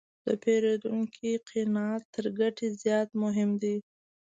د پیرودونکي قناعت تر ګټې زیات مهم دی.